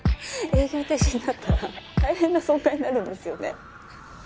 営業停止になったら大変な損害になるんですよね？